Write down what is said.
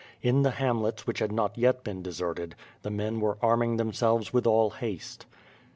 In the hamlets which had not yet been deserted, the men were arming themselves with all haste.